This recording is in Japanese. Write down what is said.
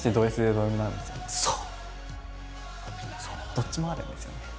どっちもあるんですよね。